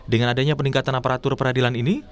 dengan adanya peningkatan aparatur peradilan ini